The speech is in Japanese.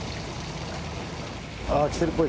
あ来てるっぽい。